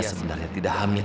sebenarnya tidak hamil